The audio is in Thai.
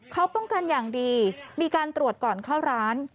เขาป้องกันอย่างดีมีการตรวจก่อนเข้าร้าน